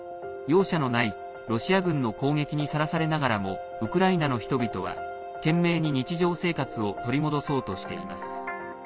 容赦のないロシア軍の攻撃にさらされながらもウクライナの人々は懸命に日常生活を取り戻そうとしています。